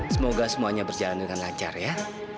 semoga semuanya berjalan dengan lancar ya